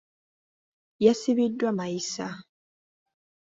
Yasibiddwa mayisa.